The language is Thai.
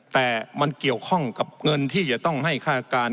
แต่มันเกี่ยวข้องกับเงินที่จะต้องให้ค่าการ